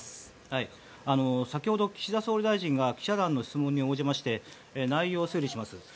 先ほど岸田総理大臣が記者団の質問に応じまして、内容を整理します。